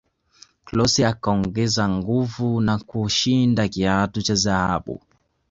klose akaongeza nguvu na kushinda kiatu cha dhahabu